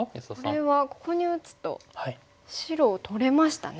これはここに打つと白を取れましたね。